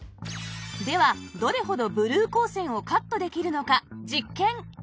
ではどれほどブルー光線をカットできるのか実験